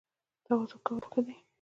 تواضع کول ښه دي